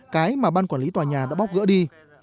cái mà ban quản lý tòa nhà đã bóc gỡ đi